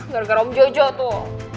gargara om jojo tuh